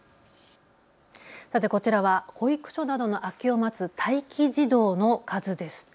さてこちらは保育所などの空きを待つ待機児童の数です。